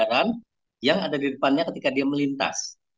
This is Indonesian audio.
perlintasan rel kereta api yang ada di depannya ketika dia melintas